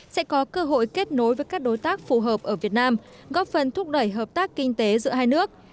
sẽ có cơ hội kết nối với các đối tác phù hợp ở việt nam góp phần thúc đẩy hợp tác kinh tế giữa hai nước